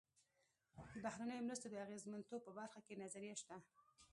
د بهرنیو مرستو د اغېزمنتوب په برخه کې نظریه شته.